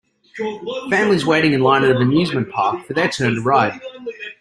Families waiting in line at an amusement park for their turn to ride.